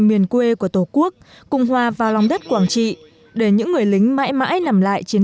miền quê của tổ quốc cùng hòa vào lòng đất quảng trị để những người lính mãi mãi nằm lại chiến